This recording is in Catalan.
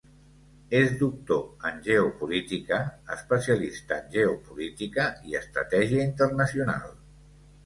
És doctor en geopolítica, especialista en geopolítica i estratègia internacional.